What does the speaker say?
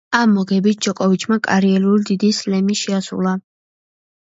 ამ მოგებით, ჯოკოვიჩმა კარიერული დიდი სლემი შეასრულა.